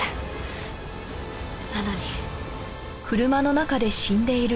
なのに。